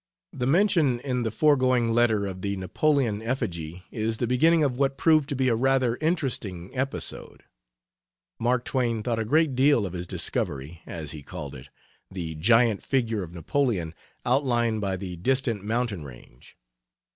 The mention in the foregoing letter of the Napoleon effigy is the beginning of what proved to be a rather interesting episode. Mark Twain thought a great deal of his discovery, as he called it the giant figure of Napoleon outlined by the distant mountain range.